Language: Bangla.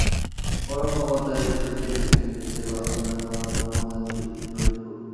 পরম মমতায় দৃশ্যটি এঁকেছেন দেশের বাস্তবধারার অন্যতম প্রধান শিল্পী শহিদ কবির।